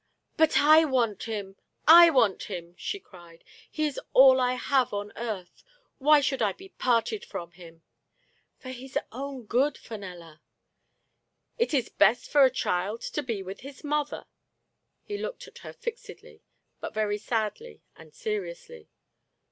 " But I want him, I want him !'* she cried. "He is all I have on earth — why should I be parted from him ?"*• For his own good, Fenella !'*" It is best for a child to be with his mother." He looked at her fixedly, but very sadly and seriously.